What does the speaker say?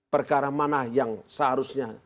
perkara mana yang seharusnya